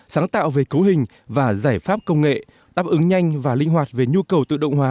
sáng tạo về cấu hình và giải pháp công nghệ đáp ứng nhanh và linh hoạt về nhu cầu tự động hóa